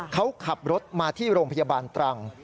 เขาขับรถมาที่โรงพยาบาลตรัง